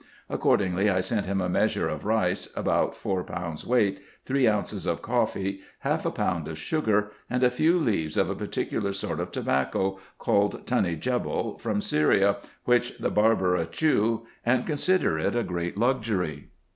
Accordingly I sent him a measure of rice, about four pounds weight, three ounces of coffee, half a pound of sugar, and a few leaves of a particular sort of tobacco, called Tunny Djebel, from Syria, which the Barabra chew, and consider it a great luxury.